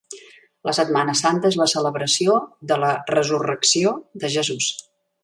La Setmana Santa és la celebració de la resurrecció de Jesús.